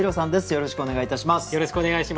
よろしくお願いします。